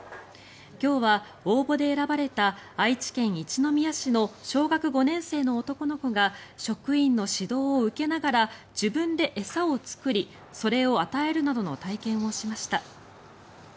今日は応募で選ばれた愛知県一宮市の小学５年生の男の子が職員の指導を受けながら自分で餌を作りそれを与えるなどの体験をしました。